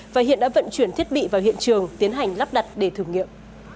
và hiện đã vận chuyển thiết bị vào hiện trường tiến hành lắp đặt để thử nghiệm